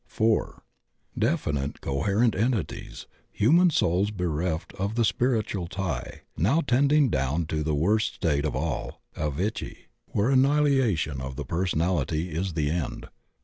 (4) Definite, coherent entities, human souls bereft of the spiritual tie, now tending down to the worst state of all, avitchi, where annihilation of the person ality is the end.